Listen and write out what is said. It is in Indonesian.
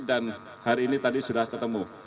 dan hari ini tadi sudah ketemu